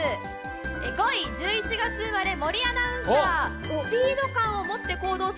５位は１１月生まれの方、森アナウンサーです。